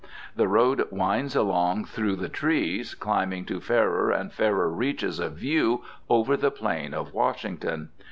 The road winds along through the trees, climbing to fairer and fairer reaches of view over the plain of Washington.